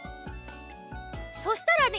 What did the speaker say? そしたらね